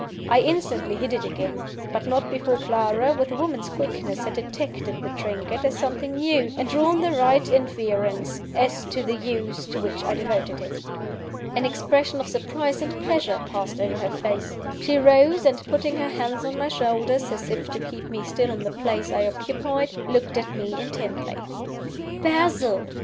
I instantly hid it again; but not before Clara, with a woman's quickness, had detected the trinket as something new, and drawn the right inference, as to the use to which I devoted it. An expression of surprise and pleasure passed over her face; she rose, and putting her hands on my shoulders, as if to keep me still in the place I occupied, looked at me intently. "Basil!"